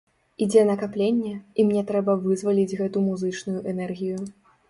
Ідзе накапленне, і мне трэба вызваліць гэту музычную энергію.